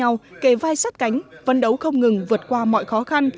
các nhau kề vai sát cánh vấn đấu không ngừng vượt qua mọi khó khăn